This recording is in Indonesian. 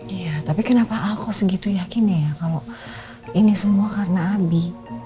iya tapi kenapa aku segitu yakinnya ya kalau ini semua karena abi